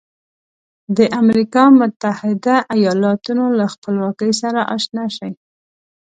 د امریکا متحده ایالتونو له خپلواکۍ سره آشنا شئ.